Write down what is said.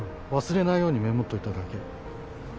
忘れないようにメモっといただけ。